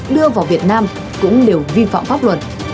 đưa vào việt nam cũng đều vi phạm pháp luật